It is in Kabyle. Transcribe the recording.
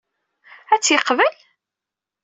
Ad t-yeqbel?